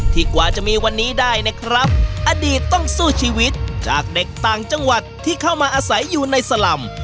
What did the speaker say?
กว่าจะมีวันนี้ได้นะครับอดีตต้องสู้ชีวิตจากเด็กต่างจังหวัดที่เข้ามาอาศัยอยู่ในสลำ